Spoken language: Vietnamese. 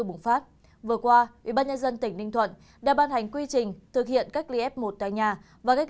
bùng phát vừa qua ubnd tỉnh ninh thuận đã ban hành quy trình thực hiện cách ly f một tại nhà và cách